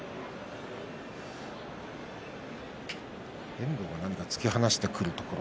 遠藤が、なにか突き放してくるところ。